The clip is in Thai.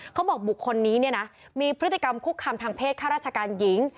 เขาบอกบุคคลมีพฤติกรรมคุกคำทางเพศข้าราชการหญิง